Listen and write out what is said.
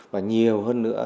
và nhiều hơn nữa